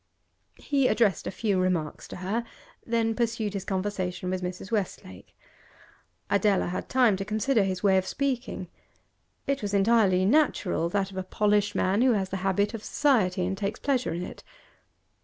He addressed a few remarks to her, then pursued his conversation with Mrs. Westlake. Adela had time to consider his way of speaking; it was entirely natural, that of a polished man who has the habit of society, and takes pleasure in it.